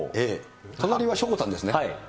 隣はしょこたんですね。